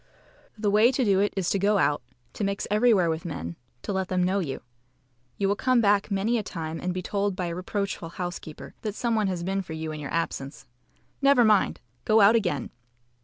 The way to do it is to go out, to mix everywhere with men, to let them know you. You will come back many a time and be told by a reproachful housekeeper that some one has been for you in your absence. Never mind! Go out again.